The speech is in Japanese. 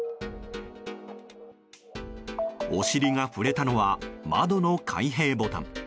お尻が触れたのは窓の開閉ボタン。